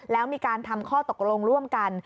แล้วมีการทำข้อตกลงร่วมกัน